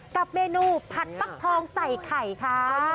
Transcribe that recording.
กับเมนูผัดฟักทองใส่ไข่ค่ะ